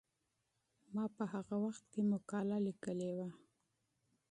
ما په هغه وخت کې مقاله لیکلې وه.